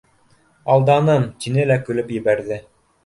Алданым, — тине лә көлөп ебәрҙе.